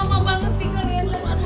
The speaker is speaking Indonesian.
kau makan belum pintu